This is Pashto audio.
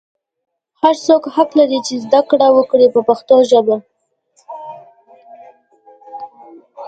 هر څوک حق لري چې زده کړه وکړي په پښتو ژبه.